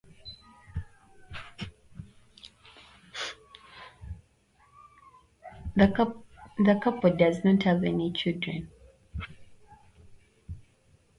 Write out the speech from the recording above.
The couple does not have any children.